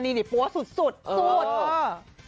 ดีสังหรอ